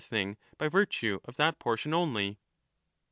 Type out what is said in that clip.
thing by virtue of that j)ortion only